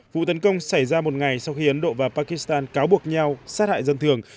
vụ tấn công xảy ra một ngày sau khi ấn độ và pakistan cáo buộc nhau sát hại dân thường